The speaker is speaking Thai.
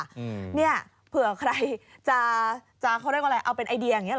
เห็นแล้วอะค่ะเผื่อใครจะเอาเป็นไอเดียอย่างนี้หรอ